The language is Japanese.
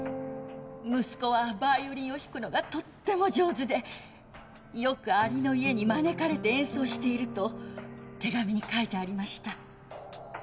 息子はバイオリンを弾くのがとっても上手でよくアリの家に招かれて演奏していると手紙に書いてありました。